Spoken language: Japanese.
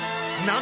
何？